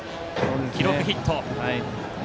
記録はヒット。